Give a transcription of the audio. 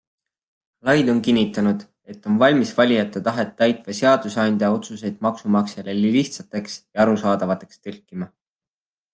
Laid on kinnitanud, et on valmis valijate tahet täitva seaduseandja otsuseid maksumaksjale lihtsateks ja arusaadavateks tõlkima.